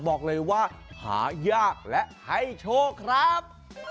บอกเลยว่าหายากและให้โชคครับ